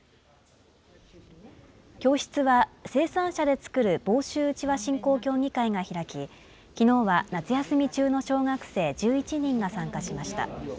教室は生産者で作る房州うちわ振興協議会が開き、きのうは夏休み中の小学生１１人が参加しました。